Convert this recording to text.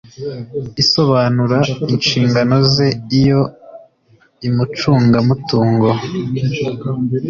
isobanura inshingano ze Iyo umucungamutungo